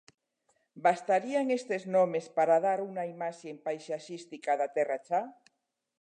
Bastarían estes nomes para dar unha imaxe paisaxística da Terra Chá?